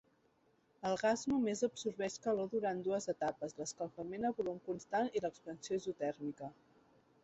El gas només absorbeix calor durant dues etapes: l'escalfament a volum constant i l'expansió isotèrmica.